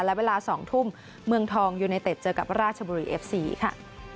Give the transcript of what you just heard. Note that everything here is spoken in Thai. และเวลา๒ทุ่มเมืองทองยูเนเต็ดเจอกับราชบุรีเอฟซีค่ะ